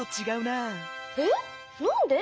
えっなんで？